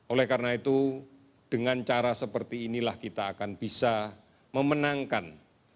oleh karena itu dengan cara seperti inilah kita akan bisa memenangkan